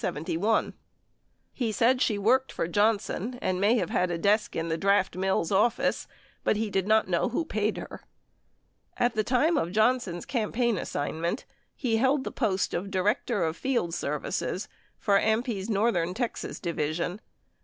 He said she worked for Johnson and may have had a desk in the Draft Mills office, but he did not know who paid her. At the time, of Johnson's campaign assignment, he held the post of Director of Field Services for AMPI's northern Texas division.